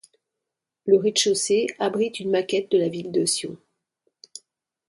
Le rez-de-chaussée abrite une maquette de la ville de Sion.